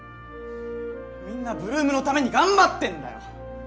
みんな８ＬＯＯＭのために頑張ってんだよ！